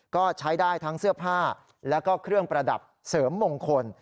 ก็ใช้ได้ทั้งเสื้อผ้าแล้วก็เครื่องประดับเสริมมงคล